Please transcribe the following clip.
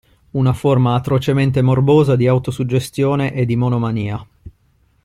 Una forma atrocemente morbosa di autosuggestione e di monomania.